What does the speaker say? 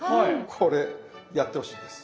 これやってほしいんです。